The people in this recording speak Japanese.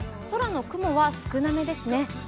空の雲は少なめですね。